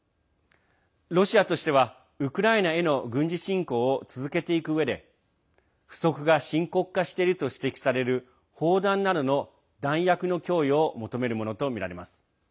ロシアとしてはウクライナへの軍事侵攻を続けていくうえで不足が深刻化していると指摘される砲弾などの弾薬の供与を求めるものとみられます。